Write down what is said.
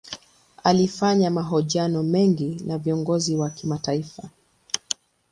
Alifanya mahojiano mengi na viongozi wa kimataifa.